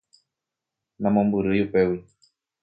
Namombyrýi upégui.